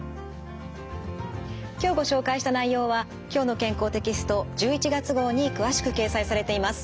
今日ご紹介した内容は「きょうの健康」テキスト１１月号に詳しく掲載されています。